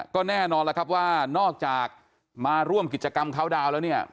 ก็แน่นอนแล้วครับว่านอกจากมาร่วมกิจกรรมเขาดาวน์แล้วเนี่ย